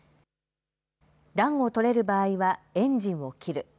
暖を取れる場合はエンジンを切る。